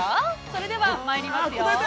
それではまいりますよ。